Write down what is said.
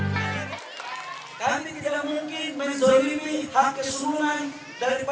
caranya pun kita harus perhatikan dengan baik